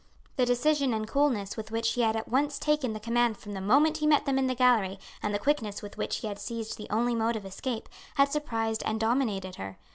The decision and coolness with which he had at once taken the command from the moment he met them in the gallery, and the quickness with which he had seized the only mode of escape, had surprised and dominated her.